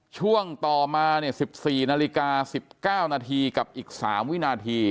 ช่วงต่อมา๑๔นาฬิกา๑๙นาทีกับอีก๓วินาที